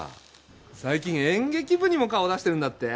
最近演劇部にも顔を出してるんだって？